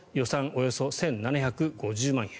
およそ１７５０万円。